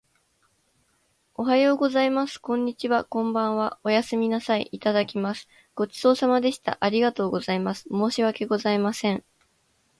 おはようございます。こんにちは。こんばんは。おやすみなさい。いただきます。ごちそうさまでした。ありがとうございます。申し訳ございません。